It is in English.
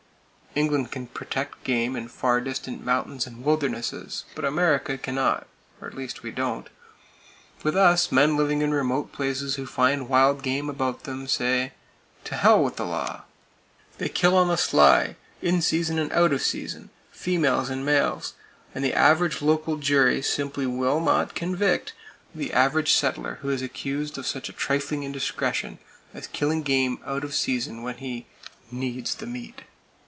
England can protect game in far distant mountains and wildernesses; but America can not,—or at least we don't! With us, men living in remote places who find wild game about them say "To h with the law!" They kill on the sly, in season and out of season, females and males; and the average local jury simply will not convict the average settler who is accused of such a trifling indiscretion as killing game out of season when he "needs the meat."